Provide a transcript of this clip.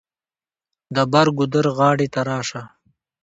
د بر ګودر غاړې ته راشه.